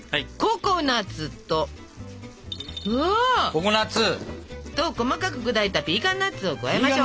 ココナツ。と細かく砕いたピーカンナッツを加えましょう。